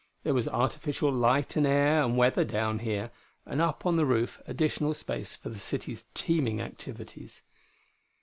There was artificial light and air and weather down here, and up on the roof additional space for the city's teeming activities.